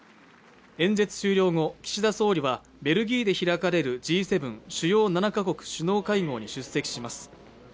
演説終了後岸田総理はベルギーで開かれるＧ７＝主要７か国首脳会合に出席します